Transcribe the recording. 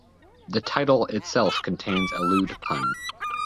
The title itself contains a lewd pun.